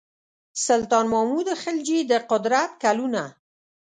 سلطان محمود خلجي د قدرت کلونه.